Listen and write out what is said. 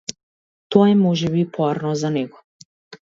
Тоа е можеби поарно за него.